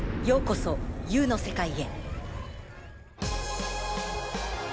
「ようこそＵの世界へ」。